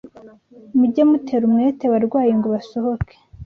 Mujye mutera umwete abarwayi ngo basohoke